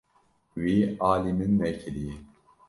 Wî alî min nekiriye.